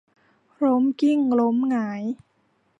ล้มกลิ้งล้มหงาย